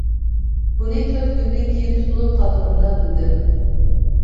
بۇنى تۆت كۈندىن كېيىن تۇتۇلۇپ قالغىنىمدا بىلدىم.